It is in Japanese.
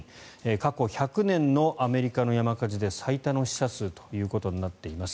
過去１００年のアメリカの山火事で最多の死者数ということになっています。